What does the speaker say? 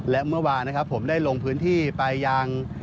และเมื่อวานนะครับผมได้ลงพื้นที่ไปยัง